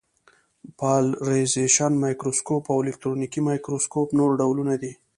پالرېزېشن مایکروسکوپ او الکترونیکي مایکروسکوپ نور ډولونه دي.